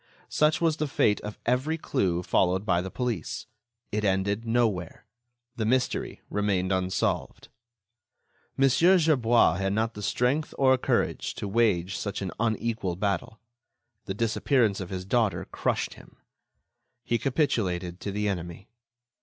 Such was the fate of every clue followed by the police. It ended nowhere. The mystery remained unsolved. Mon. Gerbois had not the strength or courage to wage such an unequal battle. The disappearance of his daughter crushed him; he capitulated to the enemy.